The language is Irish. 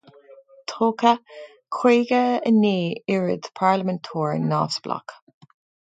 Toghadh caoga a naoi oiread parlaiminteoir neamhspleách.